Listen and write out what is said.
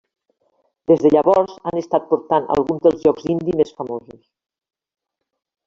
Des de llavors, han estat portant alguns dels jocs indie més famosos.